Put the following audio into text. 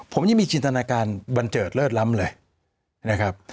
ผมยังมีจินตนาการบันเจิดเลิศล้ำเลยนะครับ